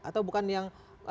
atau bukan yang